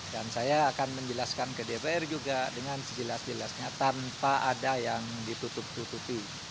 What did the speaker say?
dan saya akan menjelaskan ke dpr juga dengan sejelas jelasnya tanpa ada yang ditutup tutupi